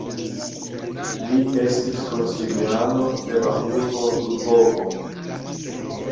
Li estis konsiliano de la urbo Lvovo.